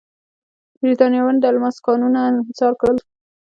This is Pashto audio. برېټانویانو د الماسو کانونه انحصار کړل.